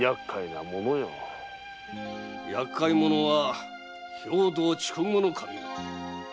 厄介者は兵藤筑後守よ。